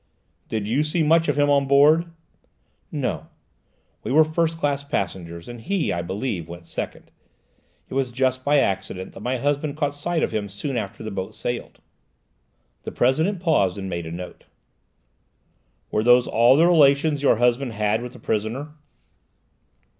"Did you see much of him on board?" "No; we were first class passengers, and he, I believe, went second. It was just by accident that my husband caught sight of him soon after the boat sailed." The President paused and made a note. "Were those all the relations your husband had with the prisoner?"